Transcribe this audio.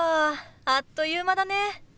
あっという間だね。